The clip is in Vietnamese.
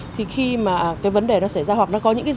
thì khi mà cái vấn đề nó xảy ra hoặc nó có những rủi ro gì